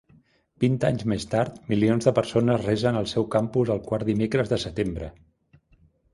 Vint anys més tard, milions de persones resen al seu campus el quart dimecres de setembre.